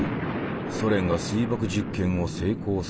ソ連が水爆実験を成功させた。